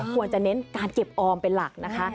ควรจะเน้นการเก็บออมเป็นหลักนะคะ